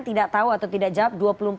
tidak tahu atau tidak jawab